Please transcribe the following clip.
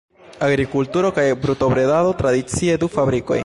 Agrikulturo kaj brutobredado tradicie, du fabrikoj.